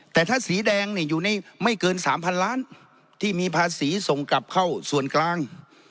แต่ถ้าสีแดงอยู่ในไม่เกิน๓๐๐๐ล้านที่มีภาษีส่งกลับเข้าส่วนกลาง